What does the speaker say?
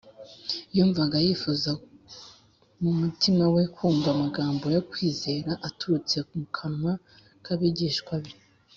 yumvaga yifuza mu mutima we kumva amagambo yo kwizera aturutse mu kanwa k’abigishwa be